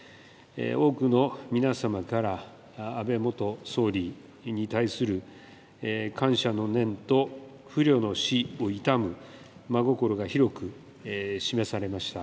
多くの皆様から安倍元総理に対する感謝の念と不慮の死を悼む真心が広く示されました。